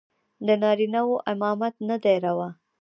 د نارينو امامت نه دى روا.